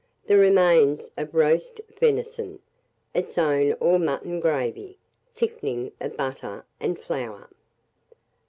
The remains of roast venison, its own or mutton gravy, thickening of butter and flour.